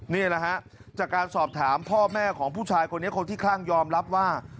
นี่แหละฮะจากการสอบถามพ่อแม่ของผู้ชายคนนี้คนที่คลั่งยอมรับว่า